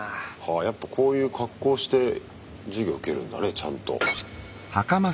やっぱこういう格好をして授業受けるんだねちゃんと。